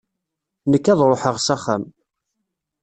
Nekk ad ruḥeɣ s axxam.